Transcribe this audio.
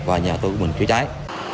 và nhà tổ mình chữa cháy